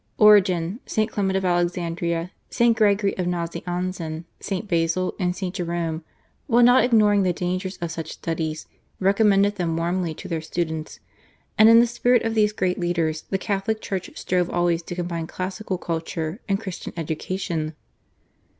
Origen, St. Clement of Alexandria, St. Gregory of Nazianzen, St. Basil, and St. Jerome, while not ignoring the dangers of such studies, recommended them warmly to their students, and in the spirit of these great leaders the Catholic Church strove always to combine classical culture and Christian education.